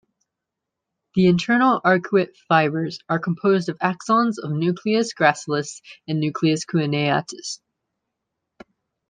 The internal arcuate fibers are composed of axons of nucleus gracilis and nucleus cuneatus.